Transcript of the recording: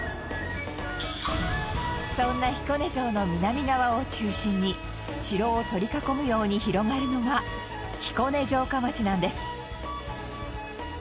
そんな彦根城の南側を中心に城を取り囲むように広がるのが彦根城下町なんです。